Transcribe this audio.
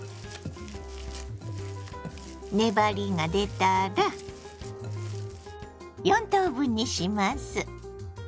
粘りが出たら４等分にします。